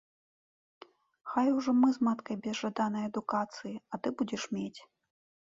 Хай ужо мы з маткай без жаднай адукацыі, а ты будзеш мець.